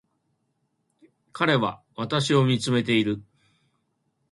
彼は私を見つめている